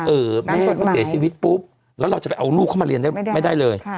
ไม่ใช่ว่าเสียชีวิตปุ๊บแล้วเราจะไปเอาลูกเข้ามาเรียนได้ไม่ได้เลย